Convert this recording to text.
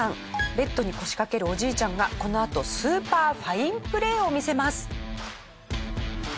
ベッドに腰かけるおじいちゃんがこのあとスーパーファインプレーを見せます。